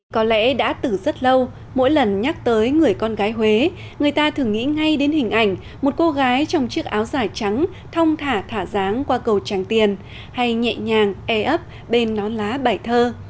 có lẽ đã từ rất lâu mỗi lần nhắc tới người con gái huế người ta thường nghĩ ngay đến hình ảnh một cô gái trong chiếc áo dài trắng thong thả thả dáng qua cầu tràng tiền hay nhẹ nhàng e ấp bên nón lá bài thơ